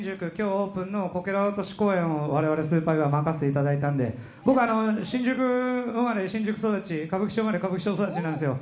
オープンのこけら落とし公演を我々任せてもらったんで僕、新宿生まれ、新宿育ち歌舞伎町生まれ、歌舞伎町育ちなんですよ。